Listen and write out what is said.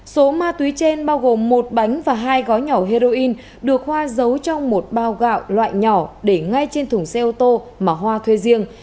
số ma túy trên bao gồm một bánh và hai gói nhỏ heroin được hoa giấu trong một bao gạo loại nhỏ để ngay trên thùng xe ô tô mà hoa thuê riêng